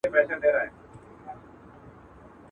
کوڅو اخیستي دي ماشوم زخمونه.